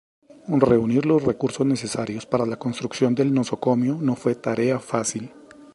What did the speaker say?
Reunir los recursos necesarios para la construcción del nosocomio no fue tarea fácil.